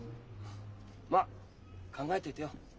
まあ考えといてよ。